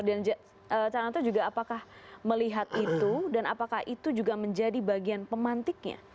dan cananto juga apakah melihat itu dan apakah itu juga menjadi bagian pemantiknya